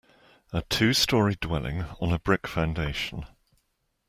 A two story dwelling, on a brick foundation.